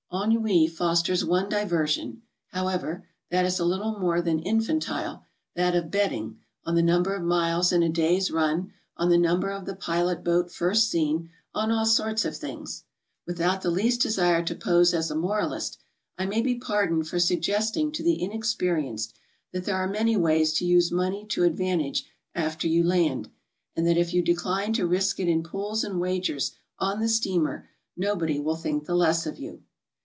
Ennui fosters one diversion, how ever, that is a little more than infantile, that of betting, — on the number of miles in a day's run, on the number of the pilot boat first seen, on all sorts of things. Without the least desire to pose as a moralist, I may be pardoned for suggesting to the inexperienced that there are many ways to use money to advantage after you land, and that if you decline to risk it in pools and wagers on the steamer; nobody will think the less of you.